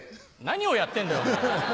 何をやってんだよお前。